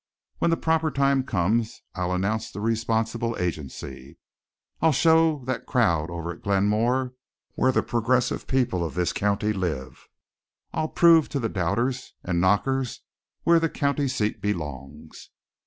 When the proper time comes I'll announce the responsible agency, I'll show that crowd over at Glenmore where the progressive people of this county live, I'll prove to the doubters and knockers where the county seat belongs!"